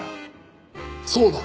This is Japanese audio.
そうだ！